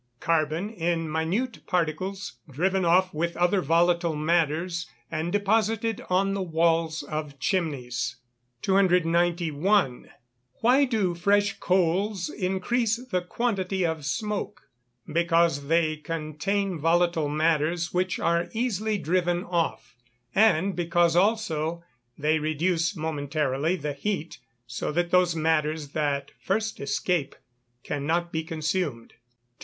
_ Carbon in minute particles, driven off with other volatile matters and deposited on the walls of chimneys. 291. Why do fresh coals increase the quantity of smoke? Because they contain volatile matters which are easily driven off; and because, also, they reduce momentarily the heat, so that those matters that first escape cannot be consumed. 292.